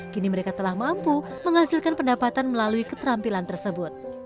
kini mereka telah mampu menghasilkan pendapatan melalui keterampilan tersebut